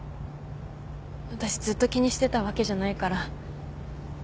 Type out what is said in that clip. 私ずっと気にしてたわけじゃないから。